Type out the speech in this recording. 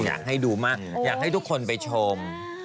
อยากให้ดูมากอยากให้ทุกคนไปชม